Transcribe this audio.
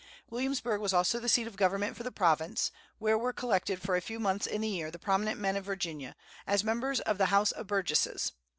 Williamsburg was also the seat of government for the province, where were collected for a few months in the year the prominent men of Virginia, as members of the House of Burgesses.